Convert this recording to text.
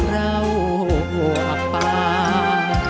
จะใช้หรือไม่ใช้ครับ